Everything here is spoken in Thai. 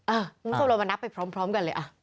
คุณผู้ชมเรามานับไปพร้อมกันเลยอ่ะ